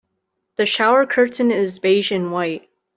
The shower curtain is beige and white.